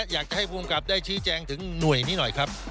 อยากให้ภูมิกับได้ชี้แจงถึงหน่วยนี้หน่อยครับ